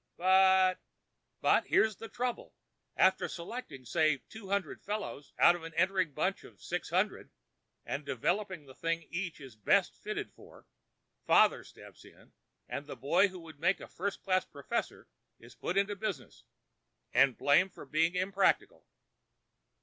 "But——" "But here's the trouble: after selecting say two hundred fellows out of an entering bunch of six hundred, and developing the thing each is best fitted for, father steps in and the boy who would have made a first class professor is put into business and blamed for being impractical.